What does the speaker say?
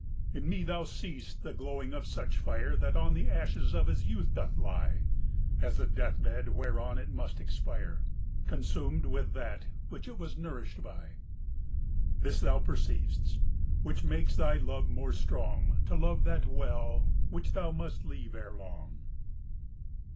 In me thou seest the glowing of such fire. That on the ashes of his youth doth lie As the deathbed whereon it must expire. Consumed with that which it was noiuish'd by: — ^This thou perceiv'st, which makes thy love more strong. To love that well which thou must leave ere long.